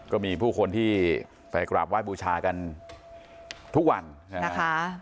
ก็มีผู้คนที่ไปกราบว่ายบูชากันทุกวันนะคะ